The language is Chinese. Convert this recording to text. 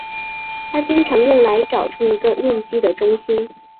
它经常用来找出一个面积的中心。